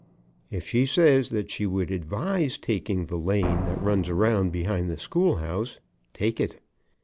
If she says that she would advise taking the lane that runs around behind that school house, take it.